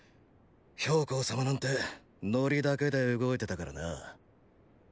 公様なんて“乗り”だけで動いてたからな。